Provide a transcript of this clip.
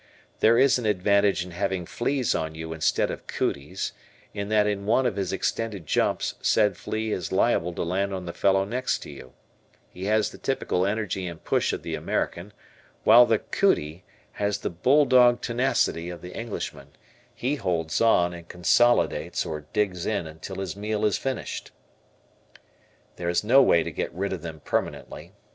There is an advantage in having fleas on you instead of "cooties" in that in one of his extended jumps said flea is liable to land on the fellow next to you; he has the typical energy and push of the American, while the "cootie" has the bull dog tenacity of the Englishman, he holds on and consolidates or digs in until his meal is finished. There is no way to get rid of them permanently.